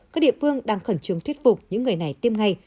các địa phương đang khẩn trương thuyết phục những người này tiêm ngay